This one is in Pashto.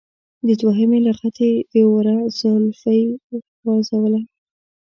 دوهمې لغتې د وره زولفی والوزوله.